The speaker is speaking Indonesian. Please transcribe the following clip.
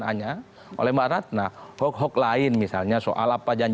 hanya oleh mbak ratna hoax hoax lain misalnya soal apa janji perubahan dan juga soal hal lainnya